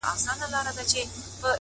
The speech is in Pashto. زه او ته یو په قانون له یوه کوره!.